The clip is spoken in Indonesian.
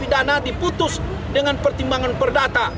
pidana diputus dengan pertimbangan perdata